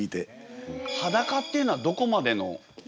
はだかっていうのはどこまでの？